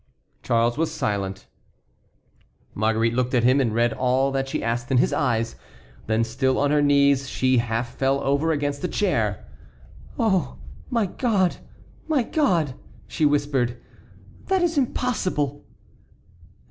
Charles was silent. Marguerite looked at him, and read all that she asked in his eyes. Then still on her knees she half fell over against a chair. "Oh! my God! my God!" she whispered, "that is impossible."